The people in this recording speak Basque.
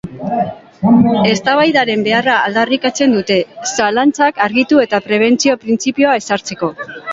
Eztabaidaren beharra aldarrikatzen dute, zalantzak argitu eta prebentzio-printzipioa ezartzeko.